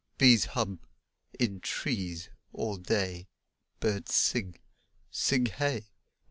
Bees hub. Id trees All day Birds sig. Sig Hey!